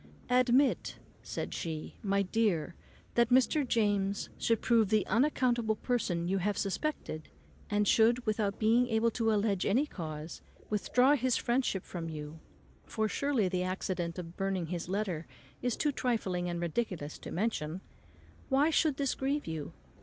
"Admit," said she, "my dear, that Mr. James should prove the unaccountable person you have suspected, and should, without being able to alledge any cause, withdraw his friendship from you (for surely the accident of burning his letter is too trifling and ridiculous to mention), why should this grieve you?